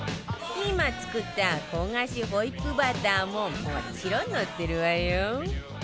今作った焦がしホイップバターももちろん載ってるわよ